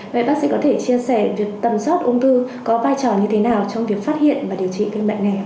vậy bác sĩ có thể chia sẻ việc tầm soát ung thư có vai trò như thế nào trong việc phát hiện và điều trị căn bệnh này ạ